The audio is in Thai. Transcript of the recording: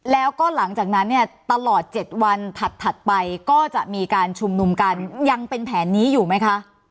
แล้วก็หลังจากนั้นเนี่ยตลอด๗วันถัดไปก็จะมีการชุมนุมกันยังเป็นแผนนี้อยู่ไหมคะ